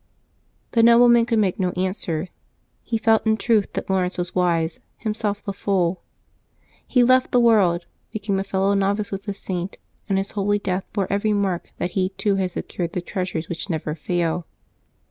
The nobleman could make no answer; he felt in truth that Laurence was wise, himself the fool. He left the world, became a fellow novice with the Saint, and his holy death bore every mark that he too had secured the treasures which never fail.